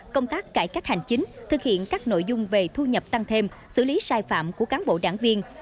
công tác cải cách hành chính thực hiện các nội dung về thu nhập tăng thêm xử lý sai phạm của cán bộ đảng viên